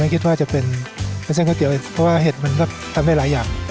คิดว่าจะเป็นเส้นก๋วเตี๋ยเพราะว่าเห็ดมันก็ทำได้หลายอย่าง